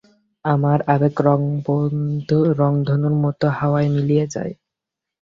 আমার আবেগ রংধনুর মত হাওয়ায় মিলিয়ে যায়।